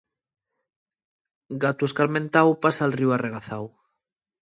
Gatu escarmentáu pasa'l ríu arregazáu.